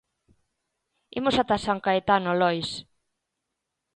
Imos ata San Caetano, Lois.